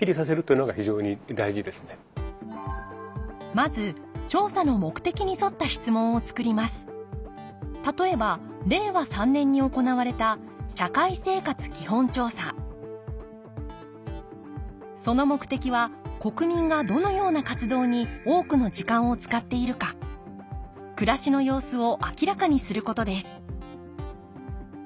まず例えば令和３年に行われた社会生活基本調査その目的は国民がどのような活動に多くの時間を使っているか暮らしの様子を明らかにすることです